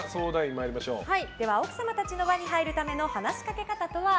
奥様たちの輪に入るための話しかけ方とは？